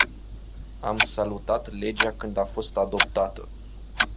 Am salutat legea când a fost adoptată.